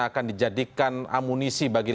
akan dijadikan amunisi bagi